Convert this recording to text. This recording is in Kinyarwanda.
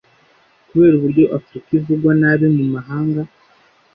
kubera uburyo Afurika ivugwa nabi mu mahanga